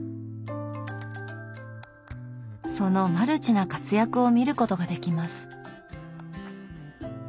そのマルチな活躍を見ることができます。